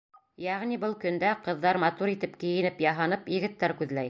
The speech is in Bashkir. Йәғни был көндә ҡыҙҙар матур итеп кейенеп-яһанып егеттәр күҙләй.